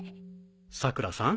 さくらさん